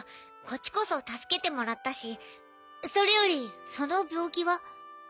こっちこそ助けてもらったしそれよりその病気は？